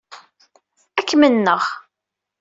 Ad kem-nenɣ.